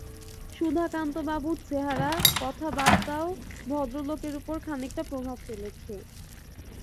সুধাকান্তবাবুর চেহারা, কথাবার্তাও ভদ্রলোকের ওপর খানিকটা প্রভাব ফেলেছে।